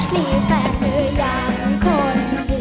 มีแฟนหรือยังคนอื่น